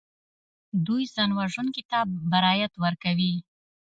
دوی ځانوژونکي ته برائت ورکوي